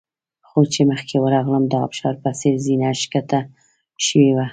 خو چې مخکې ورغلم د ابشار په څېر زینه ښکته شوې وه.